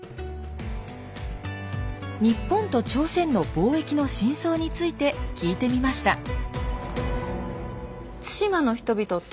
日本と朝鮮の貿易の真相について聞いてみました。